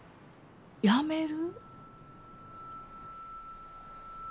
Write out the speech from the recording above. やめる？